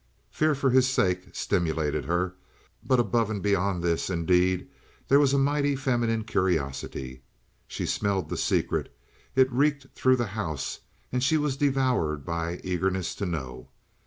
Fear for his sake stimulated her; but above and beyond this, indeed, there was a mighty feminine curiosity. She smelled the secret; it reeked through the house, and she was devoured by eagerness to know.